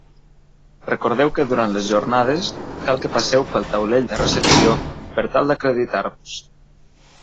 Recordeu que durant les Jornades cal que passeu pel taulell de recepció per tal d'acreditar-vos.